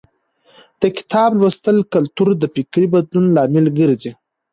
د کتاب لوستلو کلتور د فکري بدلون لامل ګرځي.